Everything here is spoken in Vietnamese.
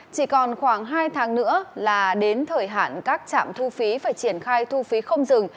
chỉ còn khoảng hai tháng nữa là đến thời hạn các trạm thu phí phải triển khai thu phí không dừng